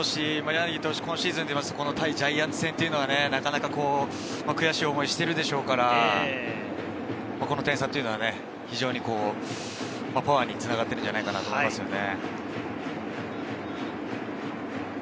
今シーズンでいうと対ジャイアンツ戦はなかなか悔しい思いをしているでしょうから、この点差は非常にパワーにつながってくるんじゃないかと思いますね。